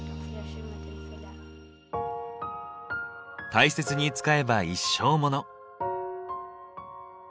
大切に使えば一生モノ。